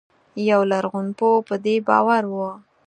یو لرغونپوه په دې باور و.